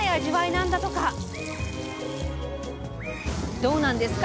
どうなんですか？